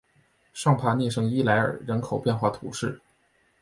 尚帕涅圣伊莱尔人口变化图示